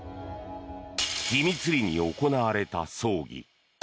秘密裏に行われた葬儀。